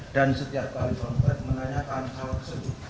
dan setiap kali tergugat menanyakan hal tersebut